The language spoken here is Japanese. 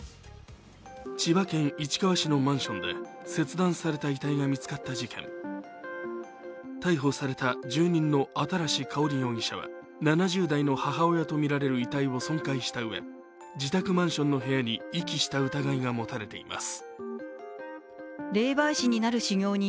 千葉県市川市のマンションで切断された遺体が見つかった事件逮捕された住人の新かほり容疑者は、７０代の母親とみられる遺体を損壊したうえ自宅マンションの部屋に遺棄した疑いが持たれています。